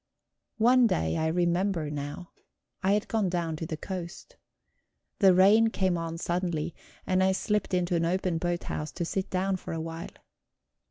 One day I remember now. I had gone down to the coast. The rain came on suddenly, and I slipped into an open boathouse to sit down for a while.